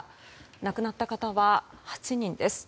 亡くなった方は８人です。